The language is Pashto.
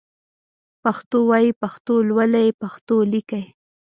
پښتو وايئ ، پښتو لولئ ، پښتو ليکئ